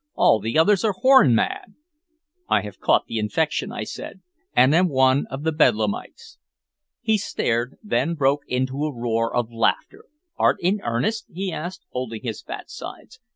All the others are horn mad!" "I have caught the infection," I said, "and am one of the bedlamites." He stared, then broke into a roar of laughter. "Art in earnest?" he asked, holding his fat sides.